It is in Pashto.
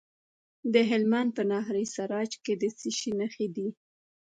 د هلمند په ناهري سراج کې د څه شي نښې دي؟